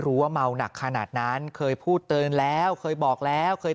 ว่าเมาหนักขนาดนั้นเคยพูดเตือนแล้วเคยบอกแล้วเคย